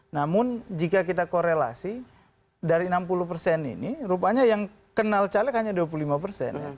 namun jika kita korelasi dari enam puluh persen ini rupanya yang kenal caleg hanya dua puluh lima persen